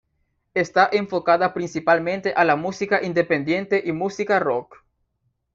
Está enfocada principalmente a la música independiente y música rock.